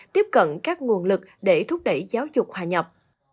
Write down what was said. tiếp cận các nguồn lực để thúc đẩy giáo dục hòa nhập